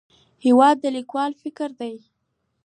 هېواد د لیکوال فکر دی.